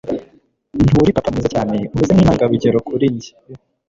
nturi papa mwiza cyane, umeze nkintangarugero kuri njye